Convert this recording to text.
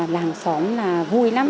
làm xóm là vui lắm